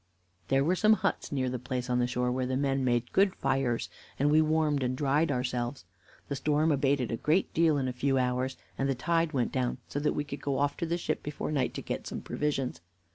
"There were some huts near the place on the shore, where the men made good fires, and we warmed and dried ourselves. The storm abated a great deal in a few hours, and the tide went down, so that we could go off to the ship before night to get some provisions.